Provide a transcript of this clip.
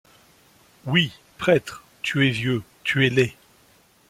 Toi, prêtre, tu es vieux! tu es laid !